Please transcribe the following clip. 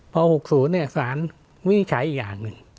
พอ๖๐สารวินิจฉัยอีกอย่างหนึ่ง